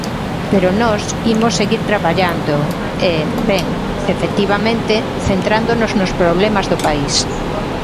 Pero nós imos seguir traballando e, ben, efectivamente, centrándonos nos problemas do país.